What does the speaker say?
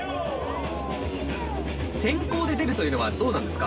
先攻で出るというのはどうなんですか？